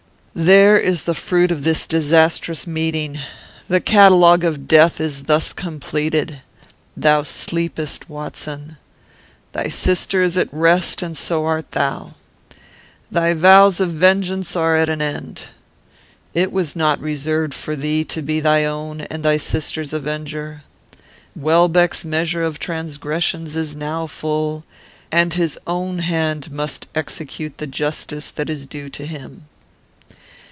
"There is the fruit of this disastrous meeting. The catalogue of death is thus completed. Thou sleepest, Watson! Thy sister is at rest, and so art thou. Thy vows of vengeance are at an end. It was not reserved for thee to be thy own and thy sister's avenger. Welbeck's measure of transgressions is now full, and his own hand must execute the justice that is due to him."